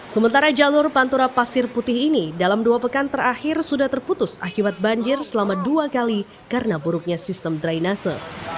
sementara jalur pantura pasir putih ini dalam dua pekan terakhir sudah terputus akibat banjir selama dua kali karena buruknya sistem drainase